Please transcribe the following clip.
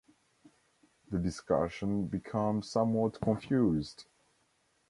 The discussion becomes somewhat confused.